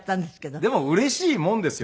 でもうれしいもんですよ。